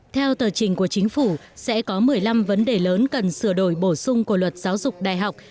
theo tờ trình của chính phủ sẽ có một mươi năm vấn đề lớn cần sửa đổi bổ sung của luật giáo dục đại học